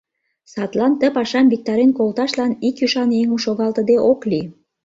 Садлан ты пашам виктарен колташлан ик ӱшан еҥым шогалтыде ок лий.